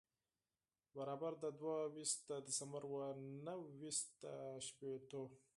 برابر د دوه ویشت د دسمبر و نهه ویشت و شپېتو.